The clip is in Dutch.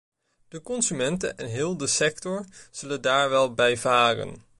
De consumenten en heel de sector zullen daar wel bij varen.